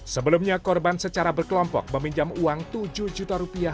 sebelumnya korban secara berkelompok meminjam uang tujuh juta rupiah